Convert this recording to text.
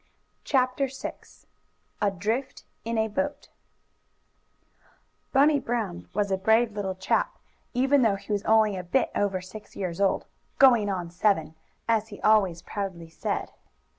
CHAPTER VI ADRIFT IN A BOAT Bunny Brown was a brave little chap, even though he was only a bit over six years old, "going on seven," as he always proudly said.